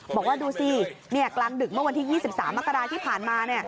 บอกว่าดูสิกลางดึกเมื่อวันที่๒๓มกราที่ผ่านมา